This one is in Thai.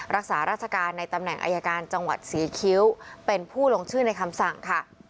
รักษาราชการในตำแหน่งอายการจังหวัดศรีคิ้วเป็นผู้ลงชื่อในคำสั่งค่ะ